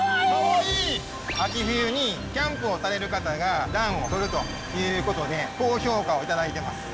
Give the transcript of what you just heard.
秋冬にキャンプをされる方が暖をとるということで高評価をいただいてます。